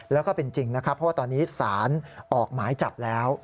แล้วก็เป็นจริงนะครับเพราะว่าตอนนี้สารออกหมายจับแล้ว